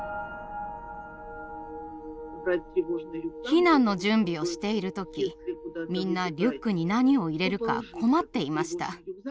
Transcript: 避難の準備をしている時みんなリュックに何を入れるか困っていました。